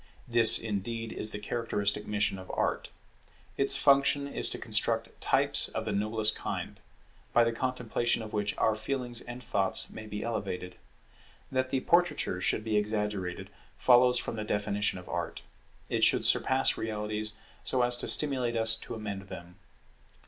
This indeed is the characteristic mission of Art. Its function is to construct types of the noblest kind, by the contemplation of which our feelings and thoughts may be elevated. That the portraiture should be exaggerated follows from the definition of Art; it should surpass realities so as to stimulate us to amend them.